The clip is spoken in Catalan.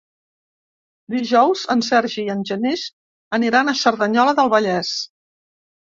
Dijous en Sergi i en Genís aniran a Cerdanyola del Vallès.